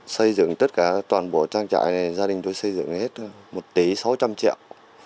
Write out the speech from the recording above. xây dựng tất cả toàn bộ trang trại này gia đình tôi xây dựng hết một tỷ sáu trăm linh triệu